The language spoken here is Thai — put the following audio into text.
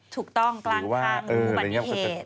ถูกต้องกลางทางอุบัติเหตุ